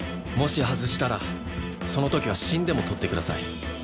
もし外したらその時は死んでも取ってください。